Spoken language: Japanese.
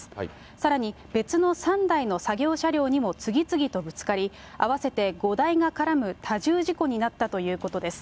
さらに、別の３台の作業車両にも次々とぶつかり、合わせて５台が絡む多重事故になったということです。